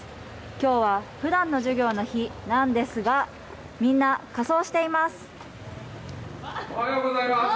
きょうはふだんの授業の日なんですがみんな仮装しています。